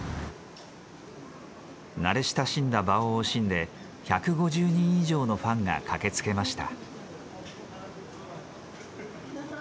慣れ親しんだ場を惜しんで１５０人以上のファンが駆けつけました。